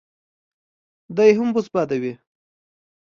دی هم بوس بادوي.